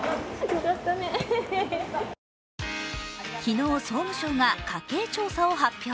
昨日、総務省が家計調査を発表。